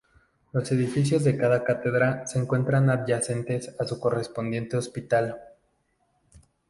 Los edificios de cada cátedra se encuentran adyacentes a su correspondiente hospital.